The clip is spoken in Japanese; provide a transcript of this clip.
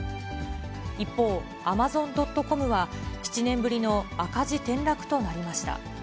一方、アマゾン・ドット・コムは、７年ぶりの赤字転落となりました。